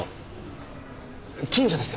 近所ですよ